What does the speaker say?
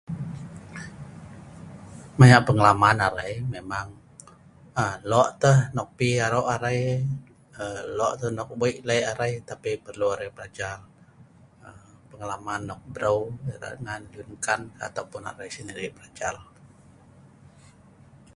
mayak pengalaman arai memang aa lok teh nok pi arok arai aa lok teh nok weik lek arai tapi perlu arai belajar aa pengalaman nok breu erat ngan lun man kan ataupun arai sendiri belajar